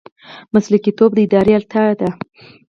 مسلکي توب د ادارې اړتیا ده